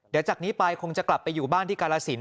เดี๋ยวจากนี้ไปคงจะกลับไปอยู่บ้านที่กาลสิน